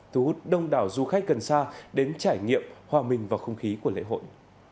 thu hút đông đảo du khách gần xa đến trải nghiệm hòa minh và không khí của lễ hội